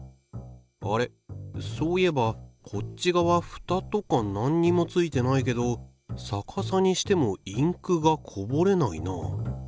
あれそういえばこっち側ふたとかなんにもついてないけど逆さにしてもインクがこぼれないなあ。